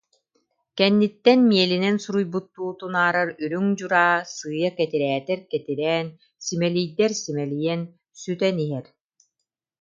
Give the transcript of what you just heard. Кэнниттэн миэлинэн суруйбуттуу тунаарар үрүҥ дьураа сыыйа кэтирээтэр-кэтирээн, симэлийдэр-симэлийэн сүтэн иһэр